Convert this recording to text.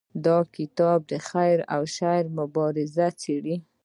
دا کتاب د خیر او شر مبارزه څیړي.